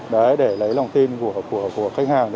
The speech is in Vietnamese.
đấy để lấy lòng tin của khách hàng